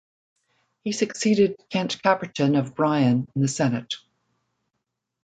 He succeeded Kent Caperton of Bryan in the Senate.